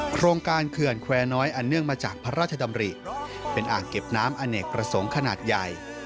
โครงการเขื่อนแควร์น้อยอันเนื่องมาจากพระราชดำริเป็นอ่างเก็บน้ำอเนกประสงค์ขนาดใหญ่